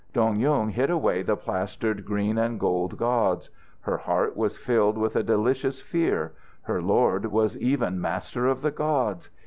Dong Yung hid away the plastered green and gold gods. Her heart was filled with a delicious fear. Her lord was even master of the gods.